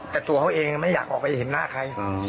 แต่ตัวเขาเองไม่อยากออกไปเห็นหน้าใคร